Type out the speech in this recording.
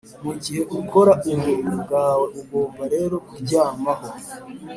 mugihe ukora uburiri bwawe, ugomba rero kuryamaho